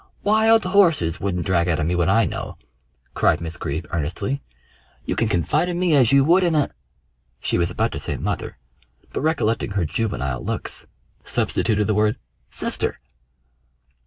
"Wild horses wouldn't drag out of me what I know!" cried Miss Greeb earnestly. "You can confide in me as you would in a" she was about to say mother, but recollecting her juvenile looks, substituted the word "sister."